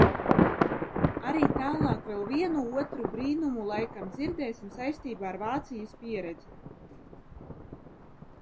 Arī tālāk vēl vienu otru brīnumu laikam dzirdēsim saistībā ar Vācijas pieredzi.